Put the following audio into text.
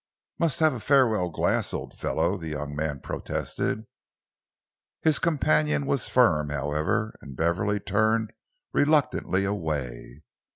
"Must have a farewell glass, old fellow," the young man protested. His companion was firm, however, and Beverley turned reluctantly away.